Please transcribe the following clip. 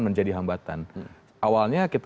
menjadi hambatan awalnya kita